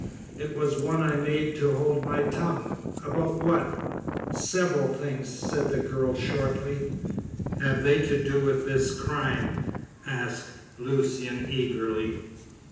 "It was one I made to hold my tongue." "About what?" "Several things," said the girl shortly. "Have they to do with this crime?" asked Lucian eagerly.